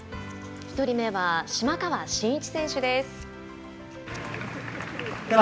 １人目は、島川慎一選手です。